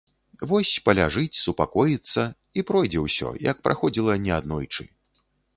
Вось паляжыць, супакоіцца, і пройдзе ўсё, як праходзіла неаднойчы.